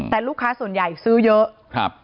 แต่ลูกค้าส่วนใหญ่ซื้อเยอะครับ